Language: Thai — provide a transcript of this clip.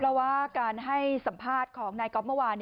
เพราะว่าการให้สัมภาษณ์ของนายก๊อฟเมื่อวาน